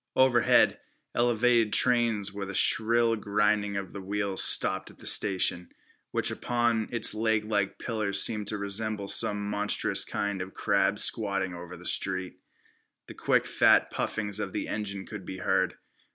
Overhead elevated trains with a shrill grinding of the wheels stopped at the station, which upon its leglike pillars seemed to resemble some monstrous kind of crab squatting over the street. The quick fat puffings of the engines could be heard.